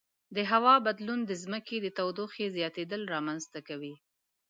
د هوا بدلون د ځمکې د تودوخې زیاتیدل رامنځته کوي.